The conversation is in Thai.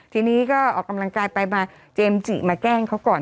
ทีนี้ก็ออกกำลังกายไปมาเจมส์จิมาแกล้งเขาก่อน